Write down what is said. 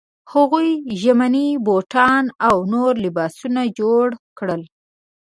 هغوی ژمني بوټان او نور لباسونه جوړ کړل.